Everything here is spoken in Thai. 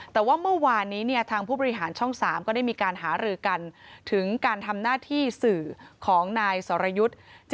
แต่ว่าเมื่อวานนี้ทางผู้บริหารช่อง๓ก็ได้มีการหารือกันถึงการทำหน้าที่สื่อของนายสรยุทธ์